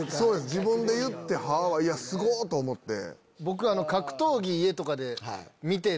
自分で言って「は？」すごっ！と思って。